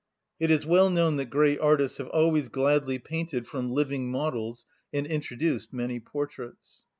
It is well known that great artists have always gladly painted from living models and introduced many portraits.